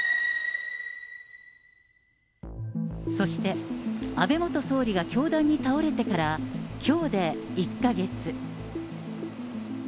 そして、安倍元総理が凶弾に倒れてから、きょうで１か月。